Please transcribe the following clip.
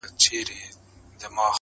o ډبره د يتيم د سره نه چپېږى!